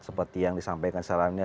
seperti yang disampaikan selanjutnya